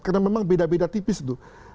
karena memang beda beda tipis itu